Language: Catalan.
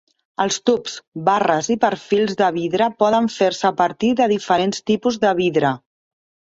Els tubs, barres i perfils de vidre poden fer-se a partir de diferents tipus de vidre.